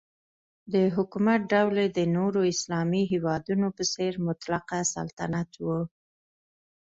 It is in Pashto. د حکومت ډول یې د نورو اسلامي هیوادونو په څېر مطلقه سلطنت و.